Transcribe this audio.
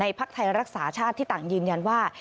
ภักดิ์ไทยรักษาชาติที่ต่างยืนยันว่า